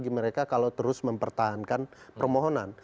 jadi mereka kalau terus mempertahankan permohonan